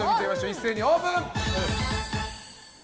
一斉にオープン！